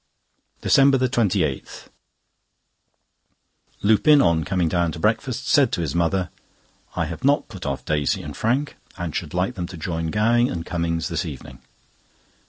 DECEMBER 28—Lupin, on coming down to breakfast, said to his mother: "I have not put off Daisy and Frank, and should like them to join Gowing and Cummings this evening."